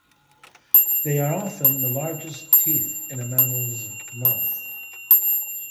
They are often the largest teeth in a mammal's mouth.